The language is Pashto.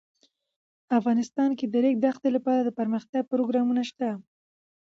افغانستان کې د د ریګ دښتې لپاره دپرمختیا پروګرامونه شته.